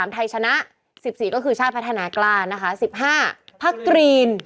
ไทยชนะ๑๔ก็คือชาติพัฒนากล้านะคะ๑๕พักกรีน